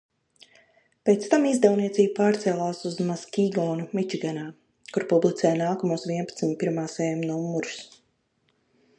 Pēc tam izdevniecība pārcēlās uz Maskīgonu, Mičiganā, kur publicēja nākamos vienpadsmit pirmā sējuma numurus.